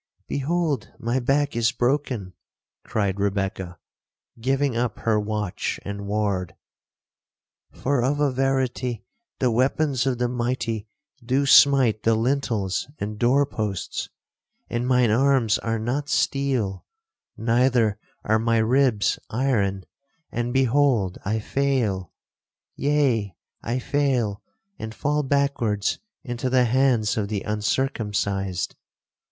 'Behold my back is broken,' cried Rebekah, giving up her watch and ward, 'for, of a verity, the weapons of the mighty do smite the lintels and door posts; and mine arms are not steel, neither are my ribs iron, and behold I fail,—yea, I fail, and fall backwards into the hands of the uncircumcised.'